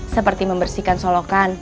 seperti membersihkan solokan